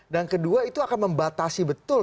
dan kedua itu akan membatasi betul